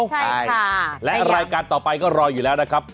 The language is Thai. ใช่และรายการต่อไปก็รออยู่แล้วนะครับ